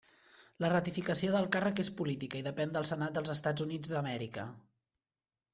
La ratificació del càrrec és política, i depèn del Senat dels Estats Units d'Amèrica.